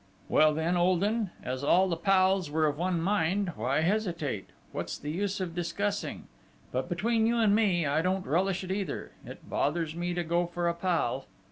Well then, old 'un, as all the pals were of one mind, why hesitate? What's the use of discussing!... but, between you and me, I don't relish it either it bothers me to go for a pal!..."